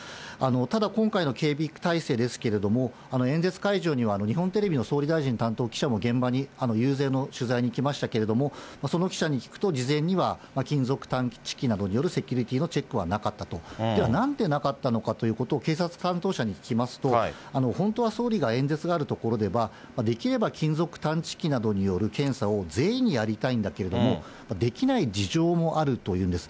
ただ、今回の警備態勢ですけれども、演説会場には日本テレビの総理大臣担当記者も現場に遊説の取材に行きましたけれども、その記者に聞くと、事前には、金属探知機などによるセキュリティーのチェックなどはなかったと、ではなんでなかったのかということを警察担当者に聞きますと、本当は総理が演説がある所では、できれば金属探知機などによる検査を全員にやりたいんだけれども、できない事情もあるというんです。